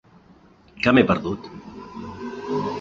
Què m'he perdut?